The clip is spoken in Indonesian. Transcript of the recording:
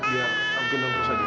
ya mungkin nangis aja